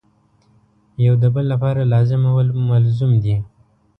یو د بل لپاره لازم او ملزوم دي.